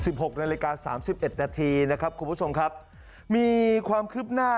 ๑๖นาทีในละกา๓๑นาทีนะครับคุณผู้ชมครับมีความคืบหน้า